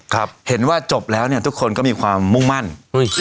ครับเห็นว่าจบแล้วเนี่ยทุกคนก็มีความมุ่งมั่นอุ้ย